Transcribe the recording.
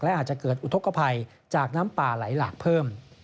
และอาจจะเกิดอุทธกภัยจากน้ำป่าไหลหลากเพิ่ม